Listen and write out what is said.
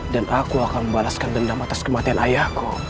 dan aku akan membalaskan dendam atas kematian ayahku